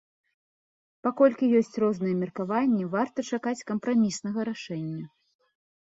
Паколькі ёсць розныя меркаванні, варта чакаць кампраміснага рашэння.